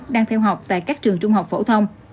đang theo học tại các trường trung học phổ thông